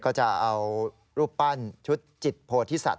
ก็จะเอารูปปั้นชุดจิตโพธิสัต